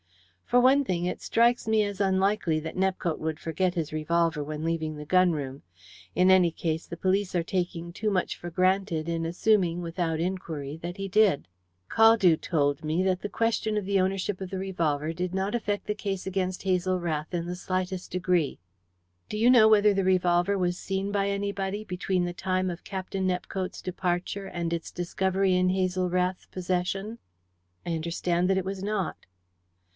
"For one thing, it strikes me as unlikely that Nepcote would forget his revolver when leaving the gun room. In any case, the police are taking too much for granted in assuming, without inquiry, that he did. Caldew told me that the question of the ownership of the revolver did not affect the case against Hazel Rath in the slightest degree." "Do you know whether the revolver was seen by anybody between the time of Captain Nepcote's departure and its discovery in Hazel Rath's possession?" "I understand that it was not."